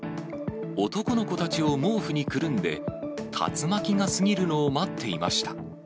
男の子たちを毛布にくるんで、竜巻が過ぎるのを待っていました。